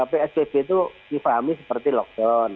psbb itu difahami seperti lockdown